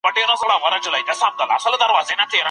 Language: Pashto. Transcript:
ایا مسلکي بڼوال تور ممیز پلوري؟